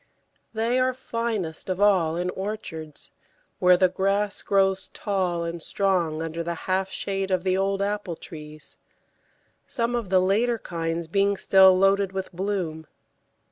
They are finest of all in orchards, where the grass grows tall and strong under the half shade of the old apple trees, some of the later kinds being still loaded with bloom.